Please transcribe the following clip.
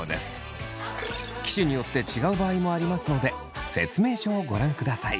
機種によって違う場合もありますので説明書をご覧ください。